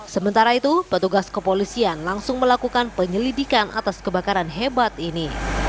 sementara itu petugas kepolisian langsung melakukan penyelidikan atas kebakaran hebat ini